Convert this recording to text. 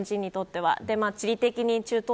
日本人にとっては。